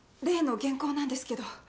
例の原稿なんですけど。